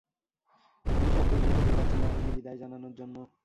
আমি শব্দগুলো খুঁজে পাচ্ছি না এমনকি বিদায় জানানোর জন্য।